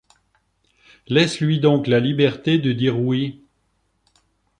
Laisse-lui donc la liberté de dire oui